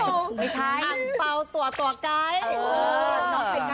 น้องไทกา๒มูดอยู่ยังพูดไม่ได้สิครับ